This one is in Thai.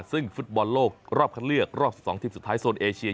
ซึ่งฟุตบอลโลกรอบคัดเลือกรอบ๑๒ทีมสุดท้ายโซนเอเชีย